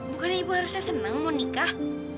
bukan ibu harusnya senang mau nikah